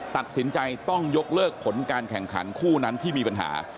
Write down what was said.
ตัดสินใจต้องยกเลิกผลการแข่งขันคู่นั้นที่มีปัญหา